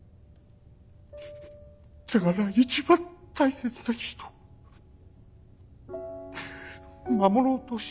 だから一番大切な人を守ろうとし。